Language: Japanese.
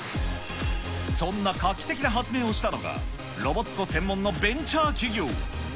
そんな画期的な発明をしたのが、ロボット専門のベンチャー企業。